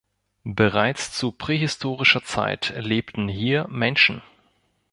Bereits zu prähistorischer Zeit lebten hier Menschen.